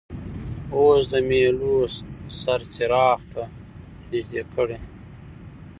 اوس د میلو بل سر څراغ ته نژدې کړئ.